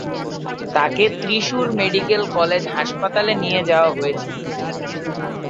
তাঁকে Thrissur medical college হাসপাতালে নিয়ে যাওয়া হয়েছিল।